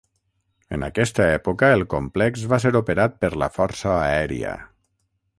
En aquesta època el complex va ser operat per la Força Aèria.